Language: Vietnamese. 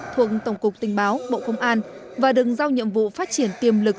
thuộc tổng cục tình báo bộ công an và đừng giao nhiệm vụ phát triển tiềm lực